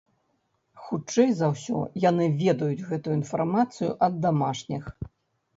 Хутчэй за ўсё, яны ведаюць гэтую інфармацыю ад дамашніх.